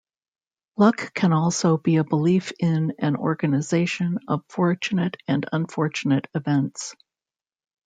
Luck can also be a belief in an organization of fortunate and unfortunate events.